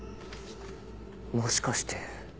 もしかして。